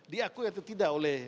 diakui itu tidak oleh